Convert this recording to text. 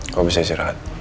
kau bisa istirahat